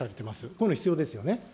こういうの必要ですよね。